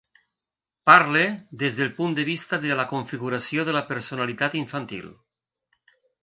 Parle des del punt de vista de la configuració de la personalitat infantil.